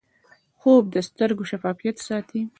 خوب د سترګو شفافیت ساتي